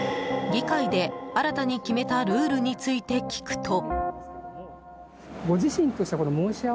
議会で新たに決めたルールについて聞くと。